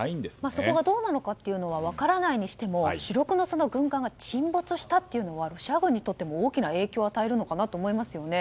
そこがどうなのかというのは分からないにしても主力の軍艦が沈没したというのはロシア軍にとっても大きな影響を与えるのかなと思いますよね。